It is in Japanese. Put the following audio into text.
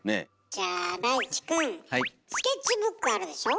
じゃあ大地くんスケッチブックあるでしょ？